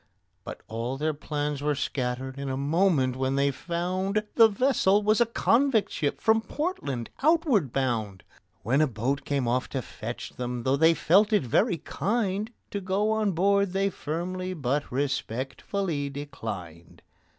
But all their plans were scattered in a moment when they found The vessel was a convict ship from Portland, outward bound; When a boat came off to fetch them, though they felt it very kind, To go on board they firmly but respectfully declined.